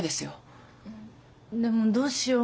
でもどうしよう。